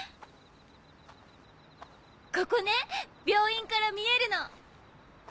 ここね病院から見えるの。